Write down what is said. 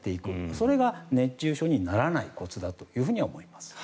それが熱中症にならないコツだと思います。